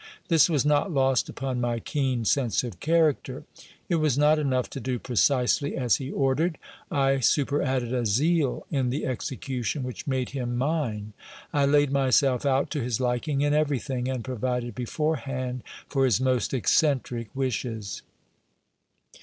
This was not lost upon my keen sense of character. It was not enough to do precisely as he ordered ; I super added a zeal in the execution which made him mine. I laid myself out to his liking in everything, and provided beforehand for his most eccentric wishes.